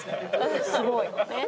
すごい。